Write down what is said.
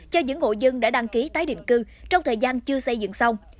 cho những hộ dân đã đăng ký tái định cư trong thời gian chưa xây dựng xong